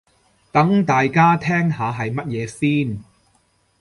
等大家聽下係乜嘢先